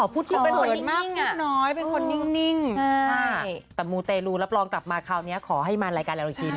พี่อายมาก